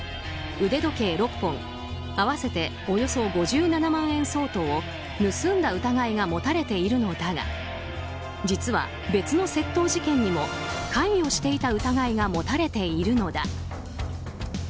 腕時計６本合わせておよそ５７万円相当を盗んだ疑いが持たれているのだが実は別の窃盗事件にも関与していた疑いが持たれているのだ。